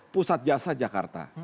pusat jasa jakarta